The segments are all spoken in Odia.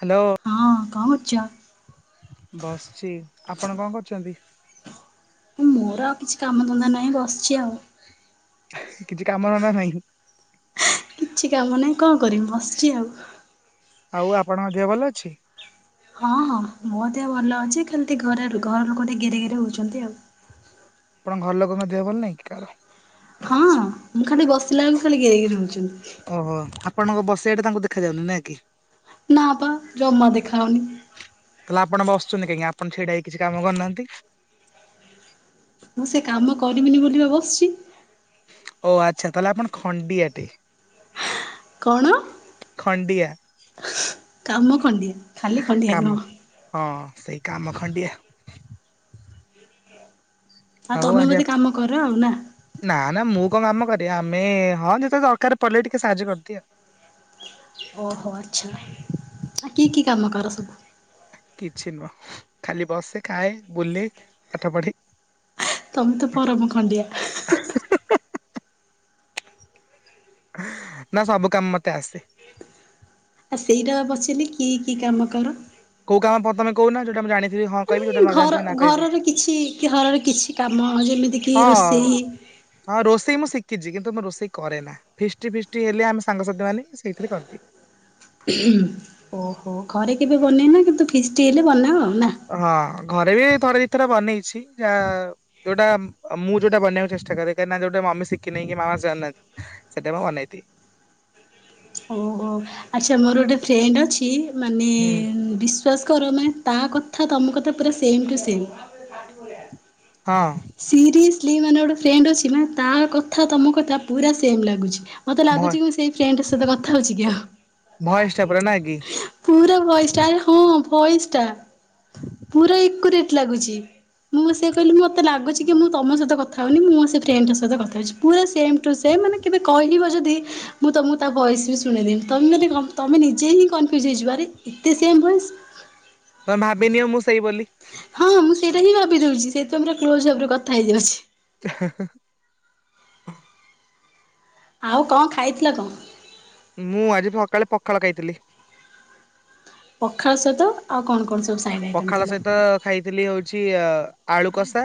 ହ୍ୟାଲୋ। ହଁ କଣ କରୁଛ? ବସଛି। ଆପଣ କଣ କରୁଛନ୍ତି? ମୋର ଆଉ କିଛି କାମ ଧନ୍ଦା ନାହିଁ ବସିଛି ଆଉ। କିଛି କାମ ଧନ୍ଦା ନାହିଁ? କିଛି କାମ ନାହିଁ କଣ କରିବି ବସିଛି ଆଉ। ଆଉ ଆପଣଙ୍କ ଦେହ ଭଲ ଅଛି? ହଁ ହଁ ମୋ ଦେହ ଭଲ ଅଛି ଖାଲି ଘରେ ଘର ଲୋକ ଟିକେ ଗିରି ଗିରି ହଉଛନ୍ତି ଆଉ। ଆପଣଙ୍କ ଘର ଲୋକଙ୍କ ଦେହ ଭଲ ନାଇଁ କି କାହାର? ହଁ ମୁଁ ଖାଲି ବସିଲା ବଳକୁ ଖାଲି ଗେରେ ଗେରେ ହଉଛନ୍ତି। ଓହୋ ଆପଣଙ୍କ ବସି ବାଟା ତାଙ୍କୁ ଦେଖା ଯାଉନି ନାଁ କି? ନା ପା ଯମା ଦେଖାଯାଉନି। ତାହେଲେ ଆପଣ ବସୁଚନ୍ତି କାହିଁକି ଆପଣ ଛିଡ଼ା ହେଇ କିଛି କାମ କରୁନାହାନ୍ତି। ମୁଁ ସେ କାମ କରିବିନି ବୋଲିି ପା ବସିଛି। ଓ ଆଚ୍ଛା ତାହେଲେ ଆପଣ ଖଣ୍ଡିଆଟେ। କଣ? ଖଣ୍ଡିଆ କାମ ଖଣ୍ଡିଆ ଖାଲି ଖଣ୍ଡିଆ କାମ ନୁହଁ। ହଁ ସେଇ କାମ ଖଣ୍ଡିଆ। ଆଉ ତମେ ବଧେ କାମ କର ଆଉ ନା ନା ନା ମୁଁ କଣ କାମ କରେ ଆମେ ହଁ ଯେତେଳେ ଦରକାର୍ ପଡ଼ିଲେ ଟିକେ ସାହାଯ୍ୟ କରିଦିଏ ଆଉ। ଓହୋ ଆଚ୍ଛା ଆଉ କି କି କାମ କର ସବୁ? କିଛି ନୁହଁ ଖାଲି ବସେ, ଖାଏ, ବୁଲେ, ପାଠ ପଢେ। ତମେ ତ ପରମ ଖଣ୍ଡିଆ। ନା ସବୁ କାମ ମତେ ଆସେ। ଆ ସେଇଟା ବା ପଚାରିଲି କି କି କାମ କର? କୋଉ କାମ ପ୍ରଥମେ ତମେ କହୁ ନା ଯୋଉାଟା ମୁଁ ଜାଣିଥିବି କହିବି ଯୋଉଟା ମାନେ ନ ଘର ଜାଣିଥିବି ନା କହିବି ଘରର କିଛି ଘରର କିଛି କାମ ଯେମିତି କିି ହଁ। ରୋଷେଇ ହଁ ରୋଷେଇ ମୁଁ ଶିଖିଛି କିନ୍ତୁ ମୁଁ ରୋଷେଇ କରେ ନା। ଫିଷ୍ଟି ଫିଷ୍ଟି ହେଲେ ଆମେ ସାଙ୍ଗସାଥି ମାନେ ସେଇଥିରେ କରିଦିଏ। ଓହୋ ଘରେ କେବେ ବନେଇନା କିନ୍ତୁ ଫିଷ୍ଟି ହେଲେ ବନାଅ ଆଉ ନା। ହଁ ଘରେ ବି ଥରେ ଦି ଥରେ ବନେଇଛି ଯା। ଯୋଉଟା ମୁଁ ଯୋଉଟା ବନାଇବାକୁ ଚେଷ୍ଟା କରେ କାହିଁକିନା ଯୋଉଟା ମମି ଶିଖିନି କି ମାମା ଜାଣି ନାହାନ୍ତି। ସେଟା ମୁଁ ବନେଇଦିଏ। ଓହ ଆଚ୍ଛା ମୋର ଗୋଟେ ଫ୍ରେଣ୍ଡ ଅଛି ମାନେ ହୁଁ ବି ଶ୍ୱାସ୍ କର ମାନେ ତା କଥା ତମ କଥା ପୁରା ସେମ୍ ଟୁ ସେମ୍। [inaudible] ହଁ। ସିରିଏସ୍ଲି ମାନେ ଗୋଟେ ଫ୍ରେଣ୍ଡ ଅଛି ତା କଥା ତମ କଥା ପୁରା ସେମ୍ ଲାଗୁଛି। ମତେ ଲାଗୁଛି ଭ କି ମୁଁ ସେଇ ଫ୍ରେଣ୍ଡ ସହିତ କଥା ହଉଛି କି ଆଉ। ଭଏସ ଟା ପୁରା ନା କି ପୁରା ଭଏସ୍ ଟା ହଁ ଭଏସ୍ ଟା ପୁରା ଏକ୍ୟୁରେଟ୍ ଲାଗୁଛି ମୁଁ ସେଇଆ କହିଲି ମତେ ଲାଗୁଛି କି ମୁଁ ତମ ସହିତ କଥା ହଉନି ମୁଁ ସେ ଫ୍ରେଣ୍ଡଙ୍କ ସହିତ କଥା ହେଉଛି। ପୁରା ସେମ୍ ଟୁ ସେମ୍ ମାନେ କେବେ କହିବ ଯଦି ମୁଁ ତମକୁ ତା ଭଏସ୍ ବି ଶୁଣେଇଦେବି ତମେ ମାନେ କ ତମେ ନିଜେ ହିଁ କନଫ୍ୟୁଜ୍ ହେଇଯିବ ଆରେ ଏତେ ସେମ୍ ଭଏସ୍। ତମେ ଭାବିନିଅ ମୁଁ ସେଇ ବୋଲି। ହଁ ମୁଁ ସେଇଟା ହିଁ ଭାବିଦଉଛି ସେଇତି ପାଇଁ ତ କ୍ଲୋଜ୍ ଭାବରେ କଥା ହେଇଯାଉଛି। [inaudible] ଆଉ କଣ ଖାଇଥିଲ କଣ? ମୁଁ ଆଜି ସକାଳେ ପଖାଳ ଖାଇଥିଲି। ପଖାଳ ସହିତ ଆଉ କଣ କ? କଣ ସବୁ ସାଇଡ଼ରେ? ପଖାଳ ସହିତ ଖାଇଥିଲି ହଉଛି ଅ ଆଳୁ କଷା,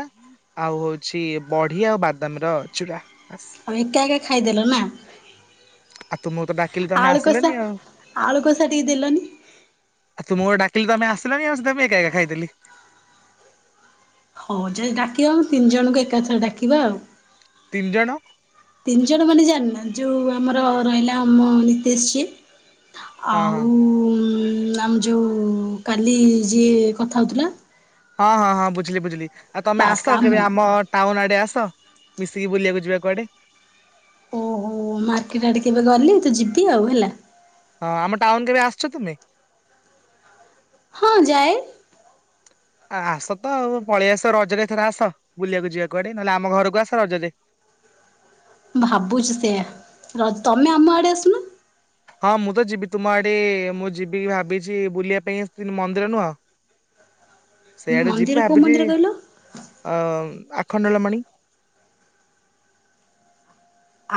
ଆଉ ହଉଛି ବଢି ଆଉ ବାଦାମର ଆଉ ଏକା ଏକ ଖାଇଦଲ ନା। ଆଉ ତୁମକୁ ତ ଡାକିଲି ତମେ ଆସିଲନି ଆଳୁକଷା, ଆଉ। ଆଳୁକଷା ଟିକେ ଦେଲନି। ଆଉ ତୁମକୁ ଡାକିଲି ତମେ ଆସିଲନି ଆଉ ସେଥିପାଇଁ ମୁ ଏକା ଏକା ଖାଇଦେଲି। ହଉ ଯଦି ଡାକିବ ଆମ ତିନି ଜଣଙ୍କୁ ଏକାଥରେ ଡାକିବା ଆଉ। ତିନି ଜଣ? ତିନିଜଣ ମାନେ ଜାଣନା ଯୋଉ ଆମର ରହିଲା ଆମ ନିତେଶ୍ ହଁ ଆଉ ହଁ। ଉଁ ମ୍ୟାମ୍ ଯୋଉ କାଲି ଯିଏ କଥା ହଉଥିଲା। ହଁ ହଁ ହଁ ବୁଝିଲି ବୁଝିଲି, ଆଉ ତମେ ବାସ୍ ଆସ ଆଉ ମୁଁ କେବେ ଆମ ଟାଉନ୍ ଆଡେ ଆସ, ମିଶିକି ବୁଲିବାକୁ ଯିବା କୁଆଡେ? ଓହୋ ମାର୍କେଟ ଆଡେ କେବେ ଗଲେ ତ ଯିବି ଆଉ ହେଲା। ହଁ ଆମ ଟାଉନ କେବେ ଆସିଚ ତୁମେ? ହଁ ଯାଏ। ଆ ଆସ ତ ଆଉ ପଳେଇ ଆସ ରଜରେ ଏଥର ଆସ ବୁଲିବାକୁ ଯିବା କୁଆଡେ ନହେଲେ ଆମ ଘରକୁ ଆସ ରଜରେ। ଭାବୁଛି ସେୟା, ର ତମେ ଆମ ଆଡେ ଆସୁନ? ହଁ ମୁଁ ତ ଯିବି ତୁମ ଆଡେ ମୁଁ ଯିବି ଭାବିଛି ବୁଲିବା ପାଇଁ ଆସିଥିନ ମନ୍ଦିର ନୁହଁ। ସେଆଡ଼େ ଯିବେ ମନ୍ଦିର କୋଉ ଭାବିଛି ମନ୍ଦିର କହିଲ ଅ ଆଖଣ୍ଡଳ ମଣି।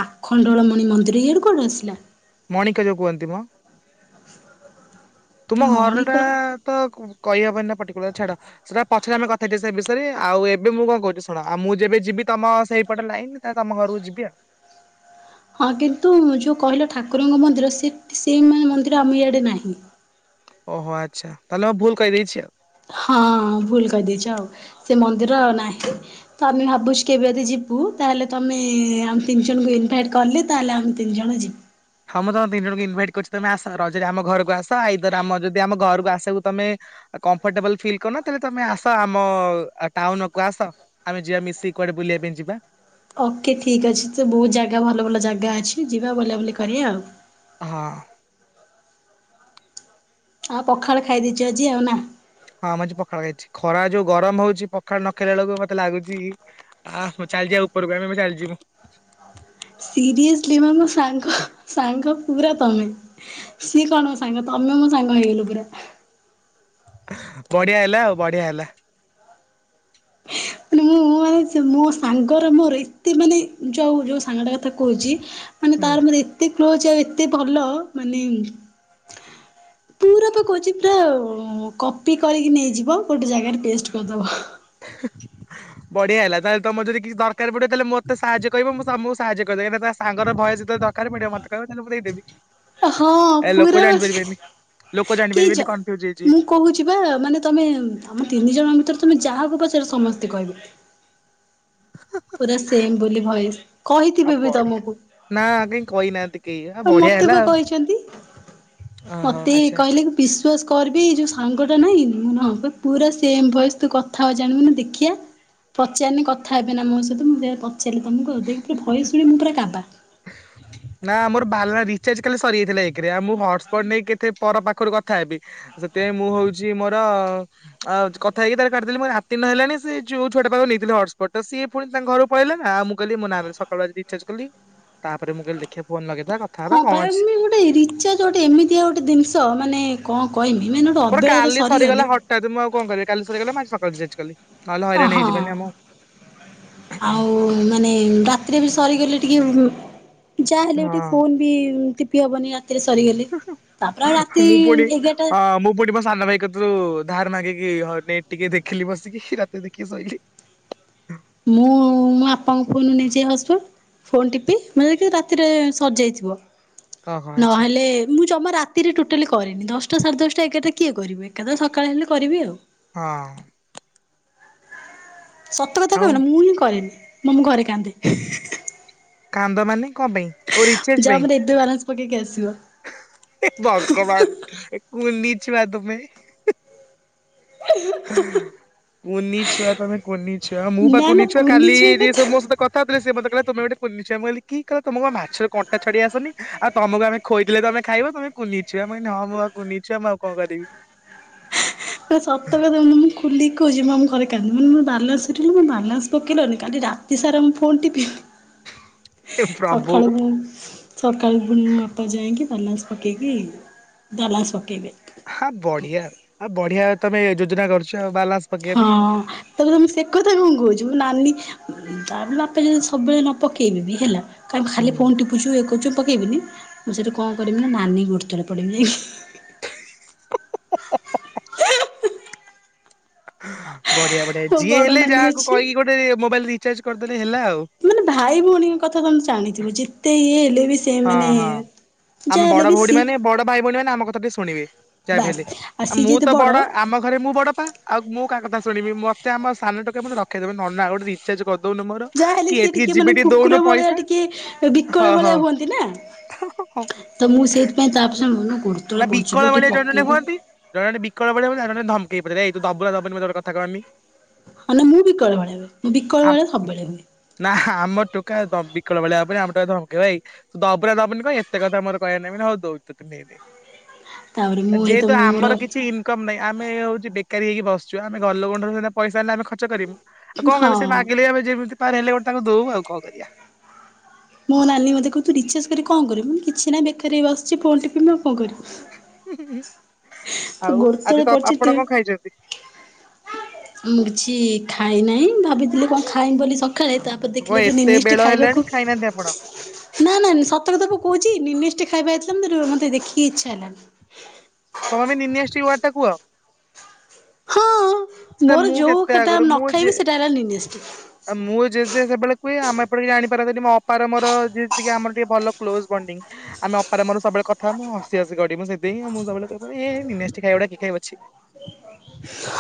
ଆଖଣ୍ଡଳମଣି ମନ୍ଦିର ଇଆଡ଼ୁ କୁଆଡୁ ଆସିଲା? ମଣିକ ଯୋଉ କୁହନ୍ତି ମ, ତୁମ ମଣିକ ଘରଟା ତ କହିହବନି ନା ପର୍ଟିକୁଲାର ଛାଡ। ସେଇଟା ପଛରେ ଆମେ କଥା ହେଇଯିବା ସେ ବିଷୟରେ, ଆଉ ଏବେ ମୁଁ କଣ କହୁଛି ଶୁଣ ଆଉ ମୁଁ ଯେବେ ଯିବି ତମ ସେଇପଟ ଲାଇନ ନା ତମ ଘରକୁ ଯିବି ଆଉ। ହଁ କିନ୍ତୁ ଯୋଉ କହିଲ ଠାକୁରଙ୍କ ମନ୍ଦିର ସେ ସେଇ ମାନେ ମନ୍ଦିର ଆମେ ଇଆଡ଼େ ନାହିଁ। ଓହୋ ଆଚ୍ଛା, ତାହେଲେ ମୁଁ ଭୁଲ୍ କହିଦେଇଛି ଆଉ। ହଁ ଭୁଲ୍ କହିଦେଇଛି ଆଉ, ସେ ମନ୍ଦିର ଆଉ ନାହିଁ। ତ ଆମେ ଭାବୁଛୁ କେବେ ଯଦି ଯିବୁ ତାହେଲେ ତମେ ଆମେ ତିନି ଜଣଙ୍କୁ ଇନଭାଇଟ୍ କଲେ ତାହେଲେ ଆମେ ତିନି ଜଣ ଯିବୁ। ହଁ ମୁଁ ତମ ତିନି ଜଣଙ୍କୁ ଇନଭାଇଟ୍ କରୁଛି ତମ ଆସ, ରଜରେ ଆମ ଘର ଆସ ଆଇଦର ଆମ ଯଦି ଆମ ଘରକୁ ଆସିବାକୁ ତମେ କମ୍ଫର୍ଟେବଲ ଫିଲ୍ କରୁନ ତାଲେ ତମେ ଆସ ଆମ ଟାଉନକୁ ଆସ। ଆମେ ଯିବା ମିଶି କୁଆଡେ ବୁଲିବା ପାଇଁ ଯିବା। ଓକେ ଠିକ୍ ଅଛି, ସେ ବହୁତ ଜାଗା ଭଲ ଭଲ ଜାଗା ଅଛି ଯିବା ବୁଲାବୁଲି କରିବା ଆଉ। ହଁ। ଆଉ ପଖାଳ ଖାଇ ଦେଇଛ ଆଜି ଆଉ ନାଁ? ହଁ ମୁଁ ଆଜି ପଖାଳ ଖାଇଛି, ଖରା ଯୋଉ ଗରମ ହଉଛି ପଖାଳ ନଖାଇଲା ବେଳକୁ ମତେ ଲାଗୁଛିକି ଆ ମୁଁ ଚାଲିଯିବା ଉପରକୁ ଆମେ ଏବେ ଚାଲିଯିବୁ। ସିରିଏସଲି ମା ମୋ ସାଙ୍ଗ ସାଙ୍ଗ ପୁରା ତମେ। ସିଏ କଣ ମୋ ସାଙ୍ଗ ତମେ ମୋ ସାଙ୍ଗ ହେଇଗଲ ପୁରା। ବଢିଆ ହେଲା, ଆଉ ବଢିଆ ହେଲା। ମାନେ ମୁଁ ମାନେ ସେ ମୋ ସାଙ୍ଗର ମୋର ଏତେ ମାନେ ଯଉ, ଯୋଉ ସାଙ୍ଗଟା କଥା କହୁଛି ମାନେ ହୁଁ ତାର ମୋର ଏତେ କ୍ଲୋଜ ଆଉ ଏତେ ଭଲ ମାନେ [inaudible] ପୁରା ପା କହୁଛି ପୁରା କପି କରିକି ନେଇଯିବ ଗୋଟେ ଜାଗାରେ ପେଷ୍ଟ କରିଦବ। [inaudible] ବଢିଆ ହେଲା ତାହେଲେ ତମ ଯଦି କିଛି ଦରକାର ପଡିବ ତାହେଲେ ମୋତେ ସାହାଯ୍ୟ କରିବ ମୁଁ ତମୁ ସାହାଯ୍ୟ କରିବ କାହିଁକ ତା ସାଙ୍ଗ ଭୟସ ଦରକାର କାର ପଡିବ ମତେ କହିବ ମୁ ଦେଇ ଦେବି। ହଁ ପୁରା ପା ଲୋକ କେ ଜାଣିପାରିବେନି କନଫ୍ୟୁଜ ହେଇଯିବେ ମୁଁ କହୁଛି ବା ମାନେ ତମେ ଆମ ତିନି ଜଣଙ୍କ ଭିତରେ ତମେ ଯାହାକୁ ପଚାର ସମସ୍ତେ କହିବେ। [unintelligible] ପୁରା ସେମ ବୋଲି ଭୟସ ଆଉ କହିଥିବେ ବି ବଢିଆ ତମକୁ। ନା ଆ କଁ କହିନାହାନ୍ତି। କେହି ଆ ବଢିଆ ମତେ ହେଲା ବା ଆଉ କହିଛନ୍ତି ଓହୋ ମତେ ଆଚ୍ଛା କହିଲେ କି ବିଶ୍ଵାସ କରବି ଏଇ ଯଉ ସାଙ୍ଗଟା ନାହିଁ ମୁଁ ନ ପୁରା ସେମ୍ ଭଏସ୍ ତୁ କଥା ହ ଜାଣିବୁ ମୁ କନି ଦେଖିଆ। ପଚାରିଲି କଥା ହେବେ ନା ମୋ ସହିତ ମୁଁ ଯ ପଚାରିଲି ତମକୁ କି ପୁରା ଭଏସୁ ମୁଁ ପୁରା କାବା। [inaudible] ନା ମୋର ବାଲା ରିଚାର୍ଜ କାଲି ସରିଯାଇଥିଲା ଏକରେ ଆ ମୁଁ ହଟସ୍ପଟ ନେଇକ କେେ ପର ପାଖରୁ କଥା ହେବି। ସେଥିପାଇଁ ମୁଁ ହଉଛି ମୋର ଆଉ କଥା ହେଇକି ତାର କାଟ ଦେଲି ମୋ ରାତି ନହ ହେଲାଣି ସେ ଯୋଉ ଛୋଟ ପାଖକୁ ନେଇଥିଲେ ହଟ୍ସ୍ପଟ ସିଏ ପୁଣି ତାଙ୍କ ଘର ପଳେଇ ନା ଆ ମୁ କହିଲ ମୁଁ ସକାଳେ ରିଚାର୍ଜ୍ କଲି। ତାପରେ ମୁଁକହଲି ଦେଖିଆ ଫୋନ ଲଗାଏ। ହଁ ପାଇ ମୁ ଗୋଟେ ରିଚା ଗୋଟେ ଏମିତିଆ ଗୋଟେ ଜିନିଷ ମାନେ କଣ କହମି ମାନେ ଗୋଟେ ଅବହେଳାରେ ସରିଗଲେ ତା ଦେ ମୁଁ ଆଉ କଣ କରିବି କାଲି ସରିଗଲା ମୁ ଆଜି ସକାଳେ ରିଚାର୍ଜ୍ଜ୍ କଲି। ନହଲେ ଅ ହଇରାଣ ହଁ ହେଇଯିବାନି ଆମ ଆଉ ମାନେ ରାତିରେ ବି ସରିଗଲେ ଟିକେ ଯାହା ହେଲେ ବି ଟିକେ ହଁ ଫୋନ ବି ଟିପି ହବନି ରାତିରେ ସରିଗଲେ ତାପରେ ରାତି ମୁଁ ପୁଣି ଏଗାରଟା ହଁ, ମୁଁ [unintelligible] ସାନ ଭାଇ କ ତରୁ ଧାର ମାଗିକି ହନେଇ ଟିକେ ଦେଖିଲି ବସିକି ରାତି ଦେଖିକି ଶୋଇଲି। ମୁଁ ମୋ ବାପାଙ୍କୁ ଫୋନ ନେଇଛିି ହସପ ଟ। ଫୋନ ଟିପି ମେ ରାତିରେ ସରିଯାଇଥିବ ଓହୋ ଆଚ୍ଛା ନହେଲେ ମୁଁ ଜମା ରା ରାତିରେ ଟୋଟାଲିକରେନି ଦଶଟା ସାଢ଼େ ଦଶଟା ଏାଗରଟା କିଏ କରିବି ଏକା ସକାଳେ ହେଲେ କରିବି ଆଉ। ହଁ। ସତ କଥା ଆଉ କହିବେନ ମୁଁ ହିଁ କରେନି ମୁଁ ଆମ ଘରେ କାନ୍ଦେ। କାନ୍ଦ ମାନେ କଣ ପାଇଁ? ଓ ରିଚାର୍ଜ ଯା ପାଇଁ। ମୋର ଏବେ ବାଲାନ୍ସ ପକେଇକି ଆସିବ। ଏ ଭଗବାନ କୁନି ଛୁଆ ତମେ। କୁନିଛୁଆ ତମେ କୁନି ଛୁଆ ମୁଁ ବା ନା କୁନି ନା ଛୁଆ କାଲି କଥା ସବୁ ମୋ ସହିତ କଥା ହୋଉଥିଲି ସେ ମତେ କହିଲା ତମେ ଗୋଟେ କୁନି ଛୁଆ ମୁ କହଲି କି ତମ କୁ ମାଛରେ କଣ୍ଟା ଛଡେଇ ଆସୁନି। ଆଉ ତମକୁ ଆମେ ଖୋଇଦେଲେ ତମେ ଖାଇବ ତମେ କୁନିଛୁଆ ମୁ କହିନି ହଁ ଆ କୁଛୁଆ ମୁ ଆଉ କଣ କରିବି। ସତ କଥା ମୁଁ ଖୋଲିକି କହୁଛି ମୁଁ ଆମ ଘରେ କାନ୍ଦେ ମାନେ ମୋ ବାଲାନ୍ସ ସରିଗଲା ମୋ ବାଲାମସ ପକେଇଲନି କାଲି ରା ତି ସାରା ମୁଁ ଫୋନ୍ଟି ପି ଏ ପ୍ରଭୁ ସକାଳୁ ମୁ ସକାଳୁ ପୁଣି ମୋ ବାପା ଯାଇକି ବାଲାନସ୍ ପକେଇକି, ବାଲାନ୍ସ ପକେଇବେ। ହଁ ବଢିଆ ଆ ଆଉ ବଢିଆ ତମେ ଯୋଜନା କରୁଛ ଆଉ ବାଲା ହଁ। ତାପ ତ ମୁଁ ସେ କଥା କଣ କହୁଛି ମୁଁ ନାନୀ ଆ ବାପା ଯଦି ସବୁବେଳେ ନ ପକେଇବେ ବି ହେଲା ଖାଲି ହୁଁ। ଫୋନଟିପୁଛୁ ଇଏ କରୁଛୁ ପକେବିନି ମୁଁ ସେଇଠୁ କଣ କରିବି ନା ନାନୀ ଗୋଡତଳେ ପଡିବି ଯାଇକି। [unintelligible] ବଢିଆ ବଢିଆ ମୋ ଯିଏ ବଡ଼ ହେଲେ ନାନୀ ଯାହାକୁ ଅଛି କହିକି ଗୋଟେ ମୋବାଇଲ ରିଚାର୍ଜ କରିଦେଲେ ହେଲା ଆଉ। ମାନେ ଭାଇ ଭଉଣୀଙ୍କ କଥା ତମେ ଜାଣିଥିବ ଯେତେ ଇଏ ହେଲେ ବି ସେ ହଁ ମାନେ ହଁ ଆମେ ଯାହା ହେଲେ ବଡ ବି ଭଉଣୀ ସିଏ ମାନେ ବଡ ଭାଇ ଭଉଣୀ ମାନେ ଆମ କଥା ଟିକେ ଶୁଣିବେ ଯାହା ବି ବାସ୍ ହେଲେ। ଆଉ ଆ ସିଏ ମୁଁ ଯେହେତୁ ତ ବଡ ଆମ ଘରେ ମୁଁ ବଡ ପା। ଆଉ ମୁଁ କାହା କଥା ଶୁଣିବି ମତେ ଆମ ସାନ ଟୋକା ମତେ ରଖେଇ ଦବ ନି ନନା ଗୋଟେ ରିଚାର୍ଜ କରି ଯାହାହେଲେ ସିଏ ଟିକେ ମାନେ କୁକୁର ଭଳିଆ ପଇସା ଟିକେ ହଁ ବିକଳ ଭଳିଆ ହୁଅନ୍ତିନା। ହଁ ତ ମୁଁ ସେଇଥିପାଇଁ ତାପସ ମନେ କରୁଛି। ନା ବିକଳ ଭ ମଳିଆ ଜଣେ ଜଣେ ହୁଅନ୍ତି। ଜଣେ ଜଣେ ବିକଳ ଭଳିଆ ହୁଅନ୍ତି ଜଣେ ଜଣେ ଧମକେଇ ପଚାରିବେ ଏଇ ତୁ ଦବୁ ନା ଦବୁନି ଗୋଟେ କଥା କହମି। ହ ନା ମୁଁ ବିକଳ ଭଳିଆ ମୁଁ ବିକଳ ଭଳିଆ ସବବେଳେ ହୁଏ। ନା ଆମ ଟୋକା ବିକଳ ଭଳିଆ ହବନି ଆମ ଟୋକା ଧମକେଇବ ଏଇ ତୁ ଦବୁନା ଦବୁନି କହ ଏତେ କଥା ମର କହିବା ନେବି ହଉ ଦଉଚି ତତେ ନେ ନେ। ତାପରେ ମୁଁ ହେଇତ ଯେହେତୁ ମୁଁ ମୋର ଆମର କିଛି ଇନକମ୍ ନାହିଁ ଆମେ ହଉ ବେକାରୀ ହେଇକି ବସଛୁ ଆମେ ଘର ଲୋକଙ୍କ ଠାରୁ ପଇସା ଆନିଲେ ଆମେ ଖର୍ଚ୍ଚ କରିବୁ ଆଉ କଣ ହଁ କରିବି ସେ ମାଗିଲେ ଆେ ଯେମିତି ପାର ହେଲେ ଗୋଟେ ତାଙ୍କୁ ଦଉ ଆଉ କଣ କରିବା। ମୋ ନାନୀ ମତେ କହୁଚି ତୁ ରିଚାଜ୍ କରିକି କଣ କରିବୁ ମୁଁ କହିବି କିଛି ନାହିଁ ବେକାର ହେଇକି ବସିଚି ଫୋନ୍ ଟିପିମି ଆଉ କଣ କରିବି। ତୁ ଆଉ ଗୋଡତଳେ ଆଜି ତ ପଡିଛି ତୁ ଆପଣ କଣ ଖାଇଛନ୍ତି? ମୁଁ କିଛି ଖାଇ ନାହିଁ ଭାବିଥିଲି କଣ ଖାଇମି ବୋଲି ସକାଳେ ତା କଣ ଦେଖିଲେ ଯୋଉ ଏତେ ନିନିଷ୍ଟ ବେଳ ହେଲାଣି ଖାଇବାକୁ ଖାଇନାହାନ୍ତି ଆପଣ ନା ନାଁ ଶତ କଥା ପା କହୁଛି ନିନିଷ୍ଟି ଖାଇବା ହେଇଥିଲା ମୋତେ ଦେଖିକି ଇଛା ହେଲାନି। ତମେ ବି ନିନିଷ୍ଟି ୱାର୍ଡ ଟା କୁଅ। ହଁ ସେଟା ମୋର ମୁଁ ଯୋଉ କେତେ ସେଟା ନ ଖାଇବି ସେଟା ହେଲା ନିନୀଷ୍ଟି। ଆ ମୁଁ ଯେ ସେବେ କୁଏ ଆମ ଏପଟ କେହି ଜାଣିପାରନ୍ତିନି ମୋ ଅପାର ମୋର ଆମର ଟିକେ ଭଲ କ୍ଲୋଜ ବଣ୍ଡିଗ। ଆମେ ଅପରେ ଆମର ସବୁବେଳେ କଥା ହମୁଁ ହସି ହସି ଗଡି ମୁଁ ସେଥି ହିଁ ମୁଁ ସବବେଳେ କହ ଏଇ ନିଣିଷ୍ଟି ଖାଇବା ଗୁଡା କିଏ ଖାଇବ ଛି।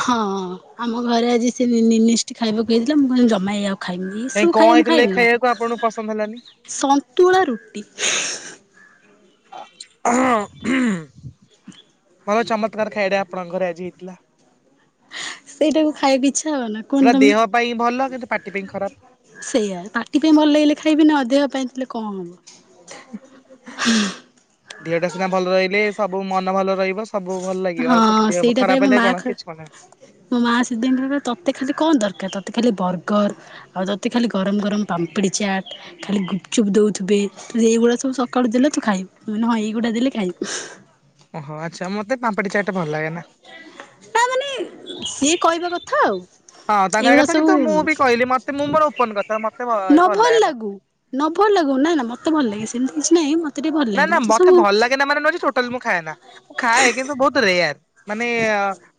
ହଁ ଆମ ଘରେ ଆଜି ସେ ନି ନୀନିଷ୍ଟି ଖାଇବାକୁ ହେଇଥିଲା ମୁଁ କ ଜମା ଏଇଆକୁ ଖାଇମିନି। କାଇଁ ଏଇସବୁ କଣ ଖାଇବା ମୁଁ ହେଇଥିଲା ଏଇ ଖାଇମି ନା ଖାଇବାକୁ ଆପଣଙ୍କୁ ପସନ୍ଦ ହେଲାନି? ସନ୍ତୁଳା ରୁଟି। ହଁ ହୁଁ ହୁଁ ଭଲ ଚମତ୍କାର ଖାଇବା ଟା ଆପଣଙ୍କ ଘରେ ଆଜି ହେଇଥିଲା। ସେଇଟାକୁ ଖାଇବାକୁ ଇଚ୍ଛା ହବ ନା। କୁହନି ସେଟା ତମେ। ଦେହ ପାଇଁ ଭଲ କିନ୍ତୁ ପାଟି ପାଇଁ ଖରାପ। ସେଇଆା ପାଟି ପାଇଁ ଭଲ ଲାଗିଲେ ଖାଇବି ନା ଦେହ ପାଇଁଥିଲେ କଣ ହବ। ହୁଁ। ଦିହଟା ସିନା ଭଲ ରହିଲେ ସବୁ ମନ ଭଲ ରହିବ। ସବୁ ଭଲ ଲାଗିବ ଆଉ ତ ହଁ ଦେହ ସେଇଟା ପାଇଁ ଖରାପ ମୋ ହେଲେ ମା କଣ ଖ କିଛି କ ମୋ ମା ସେଇଥି ପାଇ କହିଲା ତୋତେ ଖାଲି କଣ ଦରକାର ତୋତେ ଖାଲି ବର୍ଗର ଆଉ ତୋତେ ଖାଲି ଗରମ ଗରମ ପାମ୍ପିଡ଼ି ଚାଟ୍ ଖାଲି ଗୁପଚୁପ୍ ଦେଉଥିବେ। ଏଇଗୁଡା ସବୁ ସକାଳୁ ଦେଲେ ତୁ ଖାଇବୁ ହଁ ଏଇଗୁଡା ଦେଲେ ଖାଇବି। ଓହୋ ଆଚ୍ଛା ମତେ ପାମ୍ପଡି ଚାଟ ଭଲ ଲାଗେ ନା। ତା ମାନେ ସିଏ କହିବା କଥା ଆଉ ହଁ ତାଙ୍କ ଏଇଗୁଡ଼ା କଥା ସବୁ କିନ୍ତୁ ମୁଁ ବି କହିଲି ମତେ ମୁମ୍ବର ଓପନ କଥା ମତେ ନ ଭଲ ଲାଗେ ନା। ଲାଗୁ ନ ଭଲ ଲାଗୁ ନା ନା ମତେ ଭଲ ଲାଗେ ସେମିତି କିଛି ନାହିଁ ମତେ ଟିକେ ଭଲ ନା ଲାଗେ ନା ମତେ ସବୁ ଭଲ ଲାଗେ ନା ମାନେ ନୁହଜେ ଟୋଟାଲ ମୁ ଖାଏ ନା ମୁଁ ଖାଏ କିନ୍ତୁ ବହୁତ ରେୟାର ମାନେ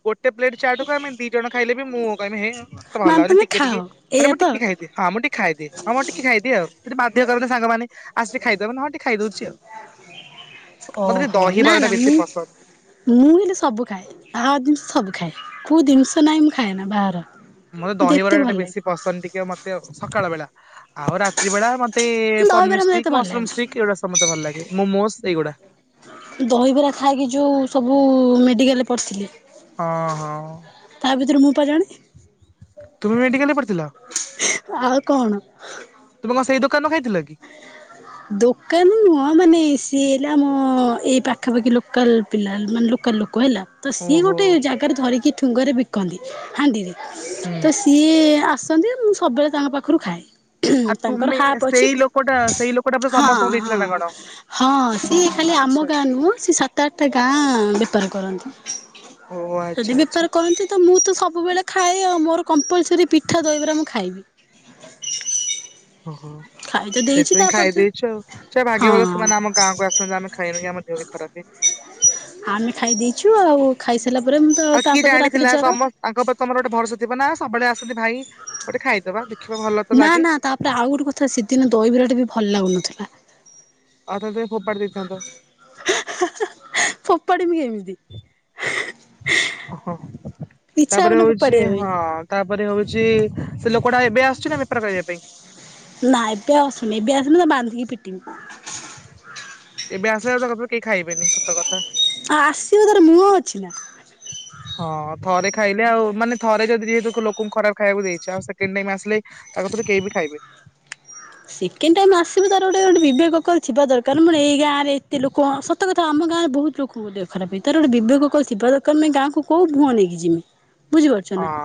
ଗୋଟେ ପ୍ଲେଟ ଚାଟକୁ ଆମେ ଦି ଜଣ ଖାଇଲେ ବି ମୁଁ କହିବି ହେ ମତେ ଭଲ ମା ଲାଗୁନି ତମେ ଟିକେ ଖାଅ ଟିକେ ମାନ ଏଇଆ ମୁଁ ତ ଟିକେ ଖାଇବିଁ ମୁ ଖାଇଦିଏ ହଁମ ଟିକେ ଖାଇଦିଏ ଆଉ ଯଦି ବାଧ୍ୟ କରନ୍ତୀ ସାଙ୍ଗମାନେ ଆସିକି ଖାଇଦବ ମ ହଁ ଟିକେ ଖାଇଦଉଛି ଆଉ। ମତେ ଟିକେ ଓହୋ ନା ଦହିବରା ଟା ନା ବେଶୀ ମୁଁ ପସନ୍ଦ ମୁଁ ହେଲେ ସବୁ ଖାଏ ବାହାର ଜିନିଷ ସବୁ ଖାଏ କେଉଁ ଜିନିଷ ନାହିଁ ମୁଁ ଖାଏ ନା ବାହାର। ମତେ ଏତେ ଦହିବରା ଟା ଭଲ ଲାଗେ। ବେଶୀ ପସନ୍ଦ ଟିକେ ମତେ ସକାଳ ବେଳା। ଆଉ ରାତ୍ରି ବେଳା ମତେ ଦହିବରା ପନିର ମତେ ଏତେ ଷ୍ଟିକ୍ ଭଲ ମସରୁମ ଲାଗେନା ଷ୍ଟିକ୍ ଏଇଗୁଡା ସବୁ ମତେ ଭଲ ଲାଗେ ମୋମୋସ୍ ଏଇଗୁଡା। ଦହିବରା ଖାଇକି ଯୋଉ ସବୁ ମେଡ଼ିକାଲରେ ପଡ଼ିଥିଲେ। ହଁ ହଁ। ତା ଭିତରୁ ମୁଁ ପା ଜଣେ। ତୁମେ ମେଡ଼ିକାଲ୍ ରେ ପଡ଼ିଥିଲ? ଆଉ କଣ? ତୁମେ କଣ ସେଇ ଦୋକାନରୁ ଖାଇଥିଲ କି? ଦୋକାନ ନୁହଁ ମାନେ ସିଏ ହେଲା ଆମ ଏଇ ପାଖାପାଖି ଲୋକାଲ୍ ପିଲା ମାନେ ଲୋକାଲ୍ ଲୋକ ହେଲା। ତ ସିଏ ଓହୋ ଗୋଟେ ଜାଗାରେ ଧରିକି ଠୁଙ୍ଗରେ ବିକନ୍ତି ହାଣ୍ଡିରେ ହୁଁ। ତ ସେ ସିଏ ଆସନ୍ତି ମୁଁ ସବୁବେଳେ ତାଙ୍କ ପାଖରୁ ଖାଏ ତାଙ୍କର ହାପ୍ ଅଛି। କୋଉଟା ସେଇ ଲୋକ୍ ହଁ ହଁ ହଁ ସିଏ ଖାଲି ଆମ ଆଚ୍ଛା। ଗାଁ ନୁହଁ ସିଏ ସାତ୍ ସାତ ଆଟା ଗାଁ ବେପାର କରନ୍ତି ଓହୋ ଆଚ୍ଛା ଯଦି ଆଚ୍ଛା ବେପାର କରନ୍ତି। ତ ମୁଁ ତ ସବୁବେଳେ ଖାଏ ଆଉ ମୋର କମ୍ପଲ୍ସରୀ ପିଠା ଦହିବରା ମୁଁ ଖାଇବି। ଓ ହୋ। ଖାଇ ତ ଦେଇଛି ସେଇଥିପାଇଁ ଖାଇ ତାପରେ ଦେଇଚୁ ଆଉ ସେ ଭାଗ୍ୟ ଭଲ ହଁ ସେମାନେ ଆମ ଗାଁକୁ ଆସନ୍ତି ଆମେ ଖାଇନୁ କି ଆମ ଦେହ ବି ଖରାପେ [unintelligible] ଆମେ ଖାଇ ଦେଇଚୁ ଆଉ ଖାଇ ସାରିଲା ପରେ ମୁଁ ତ ଆଉ କିଏ ତାପରେ ତ ଜାଣିଥିଲା ରାତିରେ ଜର। ସମସ୍ତ ତାଙ୍କ ଉପରେ ତମର ଗୋଟ ଭରସା ଥିବ ନା ସବୁବେଳେ ଆସନ୍ତି ଭାଇ ଗୋଟେ ଖାଇ ଦବା ଦେଖିବା। ଭଲ ତ ନା ଲାଗେ ନା ତାପରେ ଆଉ ଗୋଟେ କଥା ସେଦିନ ଦହିବରା ଟା ବି ଭଲ ଲାଗୁନଥିଲା। ତାଠୁ ଅଧିକ ଫୋପାଡ଼ି ଦେଇଥାନ୍ତ। ଫୋପାଡ଼ିବି କେମିତି? ଓ ହୋ ହ ଇଚ୍ଛା ତାପରେ ହବନି ହଉଚି ଫୋପାଡିବା ପାଇଁ। ହଁ। ତାପରେ ହଉଚି ସେ ଲୋକଟା ଏବେ ଆସୁଚି ନା ବେପାର କରିଆ ପାଇଁ? ନାଁ ଏବେ ଆଉ ଆସୁନି ଏବେ ଆସିଲେ ତାକୁ ବାନ୍ଧିକି ପିଟିିବି। ଏବେ ଆସିଲେ ତା ପଖରୁା କେହି ଖାଇବେନି ସତ କଥା। ଆଉ ଆସିବ ତାର ମୁହଁ ଅଛି ନା। [unintelligible] ହଁ ଥରେ ଖାଇଲେ ଆଉ ମାନେ ଥରେ ଯଦି ଯେହେତୁ ଲୋକଙ୍କୁ ଖରାପ ଖାଇବାକୁ ଦେଇଚ ଆଉ ସେକଣ୍ଡ ଟାଇମ୍ ଆସିଲେ ତା କତିରୁ କେହି ବି ଖାଇବେନି। ସେକେଣ୍ଡ ଟାଇମ୍ ଆସିବ ତାର ଗୋଟେ ଗୋଟେ ବିବେକ ଅକଲ ଥିବା ଦରକାର୍ ମୋର ଏଇ ଗାଁରେ ଏତେ ଲୋକ ସତ୍ ସତ କଥା ଆମ ଗାଁରେ ବହୁ୍ତ ଲୋକ୍ ଦେହ ଖରାପ ହେଇଚି ତାର ଗୋଟେ ବିବେକ ଅକଲ ଥିବା ଦରକାର ନା ଏ ଗାଁକୁ କୋଉ ମୁହଁ ନେଇକି ଯିବି ବୁଝିପାରୁଚ ନା? ହଁ।